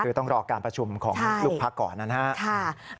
คือต้องรอการประชุมของลูกพักก่อนนะครับ